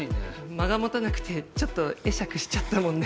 間が持たなくてちょっと会釈しちゃったもんね。